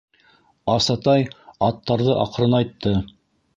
Асатай аттарҙы аҡрынайтты.